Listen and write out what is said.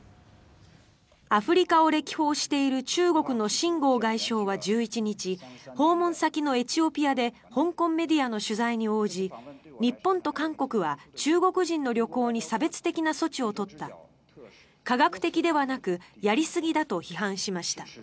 アフリカを歴訪している中国の秦剛外相は１１日訪問先のエチオピアで香港メディアの取材に応じ日本と韓国は中国人の旅行に差別的な措置を取った科学的ではなくやりすぎだと批判しました。